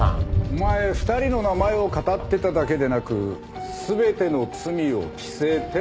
お前２人の名前をかたってただけでなく全ての罪を着せて。